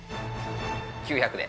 ９００で。